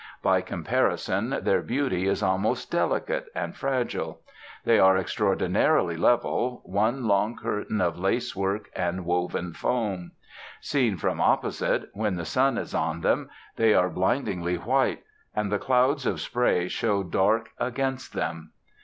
By comparison their beauty is almost delicate and fragile. They are extraordinarily level, one long curtain of lacework and woven foam. Seen from opposite, when the sun is on them, they are blindingly white, and the clouds of spray show dark against them.